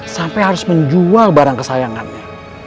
sampai harus menjual barang kesayangannya